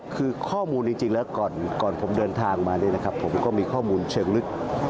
คือข้อมูลจริงแล้วก่อนผมเดินทางมาเนี่ยนะครับผมก็มีข้อมูลเชิงลึก